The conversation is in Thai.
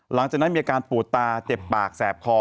หลังจากนั้นมีอาการปูดตาเจ็บปากแสบคอ